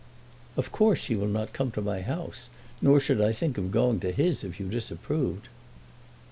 "Of course he will not come to my house, nor should I think of going to his, if you disapproved."